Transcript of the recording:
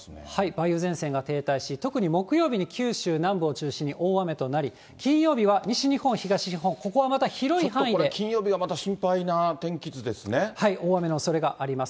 梅雨前線が停滞し、特に木曜日に九州南部を中心に大雨となり、金曜日は西日本、東日金曜日がまた心配な天気図で大雨のおそれがあります。